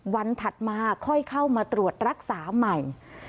ถัดมาค่อยเข้ามาตรวจรักษาใหม่